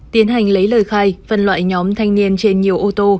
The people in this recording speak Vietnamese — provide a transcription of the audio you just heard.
tiến hành lấy lời khai phân loại nhóm thanh niên trên nhiều ô tô